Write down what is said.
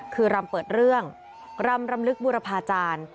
คือรำเปิดเรื่องรำรำลึกบุรพาจารย์